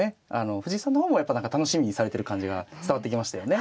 藤井さんの方もやっぱ何か楽しみにされてる感じが伝わってきましたよね。